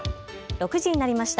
６時になりました。